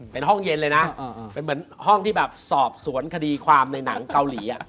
เป็นห้องเย็นเลยนะเป็นเหมือนห้องที่แบบสอบสวนคดีความในหนังเกาหลี